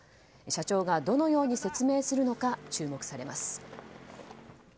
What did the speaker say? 社長が、どのように説明するのか注目されます。